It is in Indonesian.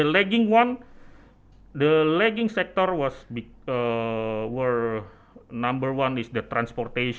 sektor lagu nomor satu adalah transportasi